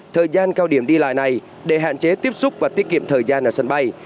thời gian cao điểm đi lại này để hạn chế tiếp xúc và tiết kiệm thời gian ở sân bay